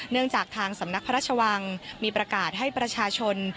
จากทางสำนักพระราชวังมีประกาศให้ประชาชน